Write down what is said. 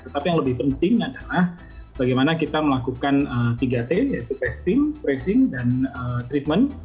tetapi yang lebih penting adalah bagaimana kita melakukan tiga t yaitu testing tracing dan treatment